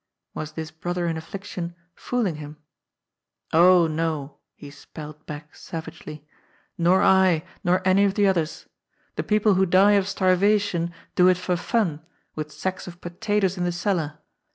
Was this brother in affliction fooling him ?" Oh no," he spelt back savagely, " nor I nor any of the TWO BROTHERS IN MISFORTUNE. 265 others. The people who die of stanration do it for fun, with sacks of potatoes in the cellar.